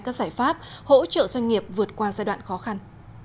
các giải pháp hỗ trợ doanh nghiệp vượt qua giai đoạn khó khăn